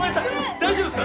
大丈夫ですか？